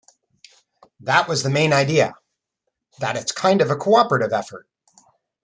That was the main idea, that it's kind of a cooperative effort.